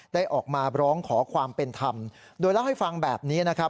ได้ออกมาร้องขอความเป็นธรรมโดยเล่าให้ฟังแบบนี้นะครับ